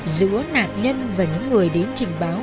giữa nạn nhân và những người đến trình báo